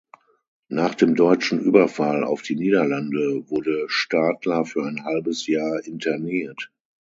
Nach dem deutschen Überfall auf die Niederlande wurde Stadler für ein halbes Jahr interniert.